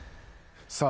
さあ